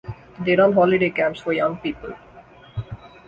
They run holiday camps for young people.